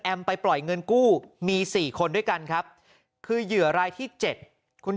ไปปล่อยเงินกู้มี๔คนด้วยกันครับคือเหยื่อรายที่๗คุณ